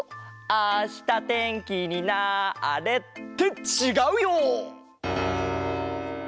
あしたてんきになれ！ってちがうよ！